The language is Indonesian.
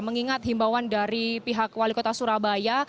mengingat himbauan dari pihak wali kota surabaya